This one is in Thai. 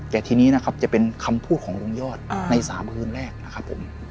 แต่ทีนี้นะครับจะเป็นคำพูดของลุงยอดใน๓คืนแรกนะครับผม